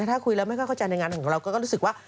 ถ้าคุยแล้วไม่ค่อยเข้าใจในงานของเราก็รู้สึกว่า